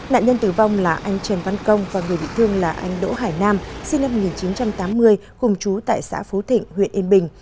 nạn nhân tử vong là anh trần văn công và người bị thương là anh đỗ hải nam sinh năm một nghìn chín trăm tám mươi cùng chú tại xã phú thịnh huyện yên bình